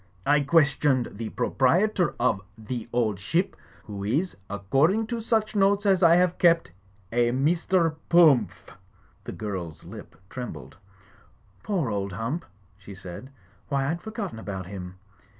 I questioned the proprietor of 'The Old Ship* who is, according to such notes as I have kept, a Mr. Pumph." The girl's lip trembled. "Poor old Hump!" she said. "Why, I'd forgotten about him.